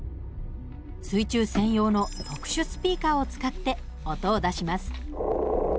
水中専用の特殊スピーカーを使って音を出します。